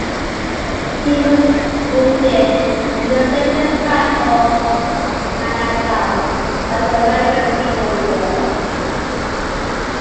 He was wounded in the Second Battle of Manassas of the American Civil War.